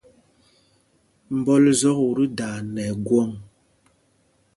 Mbɔl zɔk ú tí daa nɛ ɛgwɔŋ.